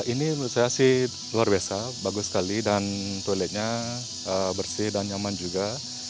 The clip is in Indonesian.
ini menurut saya sih luar biasa bagus sekali dan toiletnya bersih dan nyaman juga